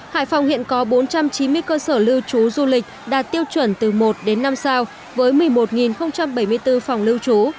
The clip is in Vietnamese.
hải phòng hiện có bốn trăm chín mươi cơ sở lưu trú du lịch đạt tiêu chuẩn từ một đến năm sao với một mươi một bảy mươi bốn phòng lưu trú